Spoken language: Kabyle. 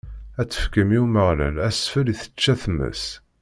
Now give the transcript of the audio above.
Ad tefkem i Umeɣlal asfel i tečča tmes.